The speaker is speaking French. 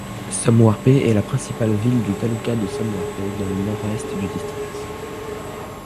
Somwarpet est la principale ville du taluka de Somwarpet, dans le nord-est du district.